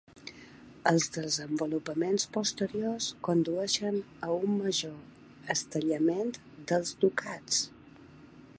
Els desenvolupaments posteriors condueixen a un major estellament dels ducats.